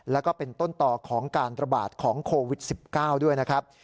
แล้วก็เป็นต้นต่อของการระบาดของโควิด๑๙ด้วยนะครับ